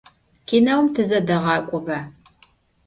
Kineum tızedeğak'oba.